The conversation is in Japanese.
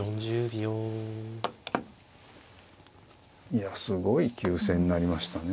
いやすごい急戦になりましたね。